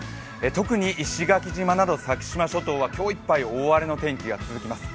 特に石垣島など先島諸島は今日いっぱい大荒れの天気が続きます。